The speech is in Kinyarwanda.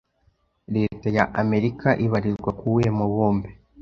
Leta ya Amerika ibarizwa ku wuhe mubumbe